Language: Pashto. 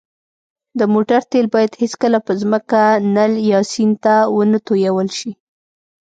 د موټر تېل باید هېڅکله په ځمکه، نل، یا سیند ته ونهتوېل ش